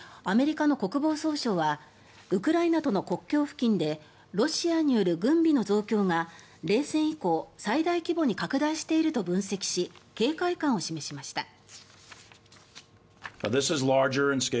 アメリカの国防総省はウクライナとの国境付近でロシアによる軍備の増強が冷戦以降最大規模に拡大していると分析し警戒感を示しました。